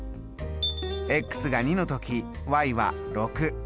が２の時は６。